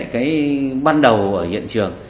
cái ban đầu ở hiện trường